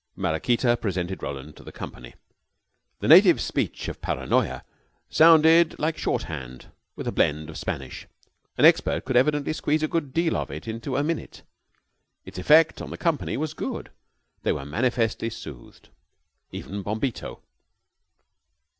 Maraquita presented Roland to the company. The native speech of Paranoya sounded like shorthand, with a blend of Spanish. An expert could evidently squeeze a good deal of it into a minute. Its effect on the company was good. They were manifestly soothed. Even Bombito.